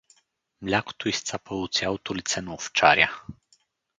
Млякото изцапало цялото лице на овчаря.